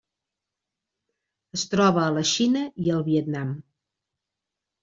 Es troba a la Xina i el Vietnam.